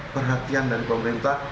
perhatian dari pemerintah